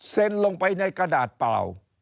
ลงไปในกระดาษเปล่า